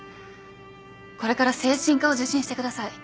これから精神科を受診してください。